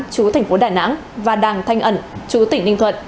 chú thành phố đà nẵng và đàng thanh ẩn chú tỉnh ninh thuận